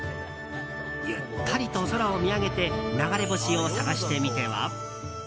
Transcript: ゆったりと空を見上げて流れ星を探してみては？